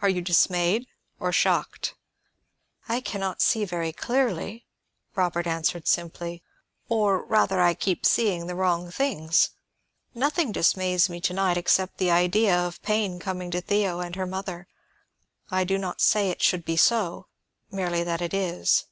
Are you dismayed, or shocked?" "I can not see very clearly," Robert answered simply. "Or, rather, I keep seeing the wrong things. Nothing dismays me to night except the idea of pain coming to Theo and her mother. I do not say it should be so; merely that it is.